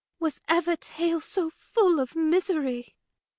Ar. Was ever Tale so fuU of Misery!